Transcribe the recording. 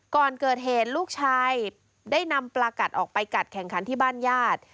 ก่อนเกิดเหตุลูกชายได้นำปลากัดออกไปกัดแข่งขันที่บ้านญาติ